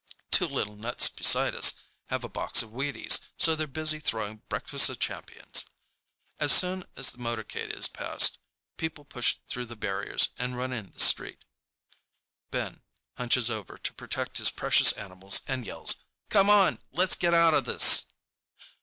Two little nuts beside us have a box of Wheaties, so they're busy throwing Breakfast of Champions. As soon as the motorcade is past, people push through the barriers and run in the street. Ben hunches over to protect his precious animals and yells, "Come on! Let's get out of this!"